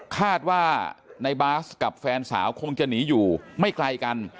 คาดว่าในบาสกับแฟนสาวคงจะหนีอยู่ไม่ไกลกัน